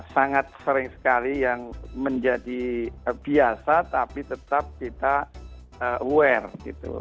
sangat sering sekali yang menjadi biasa tapi tetap kita aware gitu